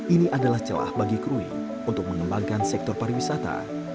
ini adalah celah bagi krui untuk mengembangkan sektor pariwisata